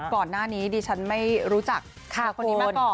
ก่อนหน้านี้ดิฉันไม่รู้จักเธอคนนี้มาก่อน